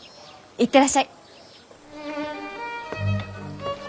行ってらっしゃい！